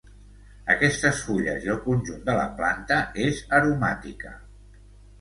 Aquestes fulles i el conjunt de la planta és aromàtica.